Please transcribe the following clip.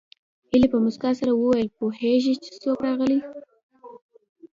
هيلې په مسکا سره وویل پوهېږې چې څوک راغلي